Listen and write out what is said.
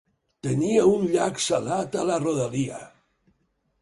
Tenia un llac salat a la rodalia.